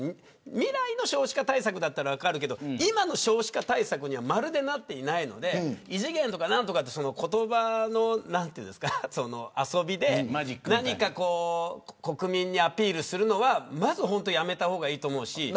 未来の少子化対策だったら分かるけど今の少子化対策にはまるでなっていないので異次元とか何とかという言葉の遊びで何か国民にアピールするのはやめた方がいいと思うし。